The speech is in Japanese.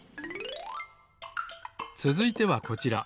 つづいてはこちら。